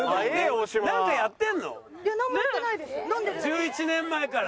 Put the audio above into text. １１年前から？